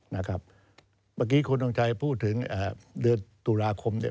เมื่อกี้คุณทงชัยพูดถึงเดือนตุลาคมเนี่ย